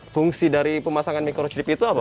fungsi dari pemasangan microchip itu apa